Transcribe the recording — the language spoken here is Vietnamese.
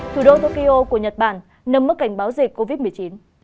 thủ đô tokyo của nhật bản nâng mức cảnh báo dịch covid một mươi chín